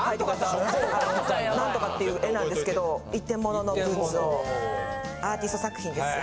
何とかっていう絵なんですけど一点物のブーツをアーティスト作品です。